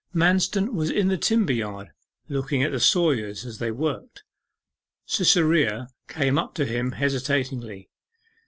Manston was in the timber yard, looking at the sawyers as they worked. Cytherea came up to him hesitatingly.